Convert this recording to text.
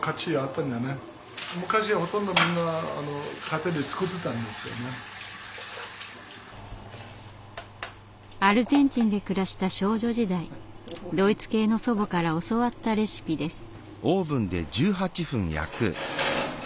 多分アルゼンチンで暮らした少女時代ドイツ系の祖母から教わったレシピです。